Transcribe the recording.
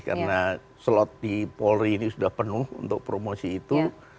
karena slot di polri ini sudah penuh untuk promosi itu